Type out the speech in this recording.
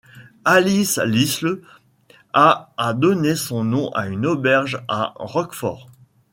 Alice Lisle a a donné son nom à une auberge à Rockford.